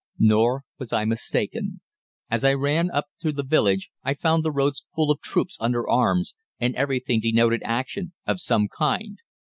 "Nor was I mistaken. As I ran up to the village I found the roads full of troops under arms, and everything denoted action of some kind.